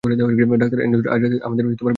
ডঃ Anderson আজ রাতে আমাদের বিশেষ অতিথি।